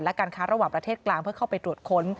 และการค้าระหว่างประเทศกลางเพื่อเข้าไปตรวจค้น